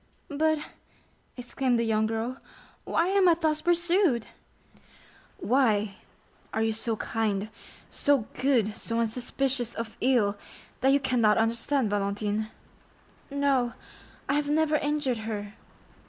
"But," exclaimed the young girl, "why am I thus pursued?" "Why?—are you so kind—so good—so unsuspicious of ill, that you cannot understand, Valentine?" "No, I have never injured her."